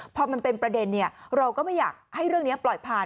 พอมันเป็นประเด็นเราก็ไม่อยากให้เรื่องนี้ปล่อยผ่าน